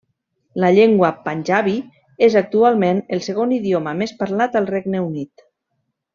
La llengua panjabi és actualment el segon idioma més parlat al Regne Unit.